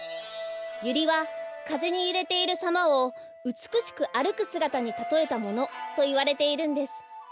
ユリはかぜにゆれているさまをうつくしくあるくすがたにたとえたものといわれているんです。